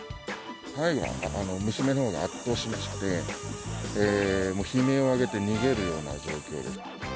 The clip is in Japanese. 最後は娘のほうが圧倒しまして、悲鳴を上げて逃げるような状況で。